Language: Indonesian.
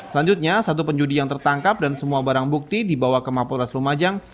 selanjutnya satu penjudi yang tertangkap dan semua barang bukti dibawa ke mapolres lumajang